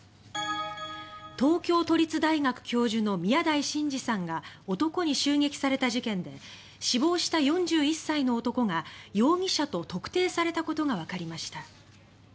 東京都立大学教授の宮台真司さんが男に襲撃された事件で死亡した４１歳の男が容疑者と特定されたことがわかりました。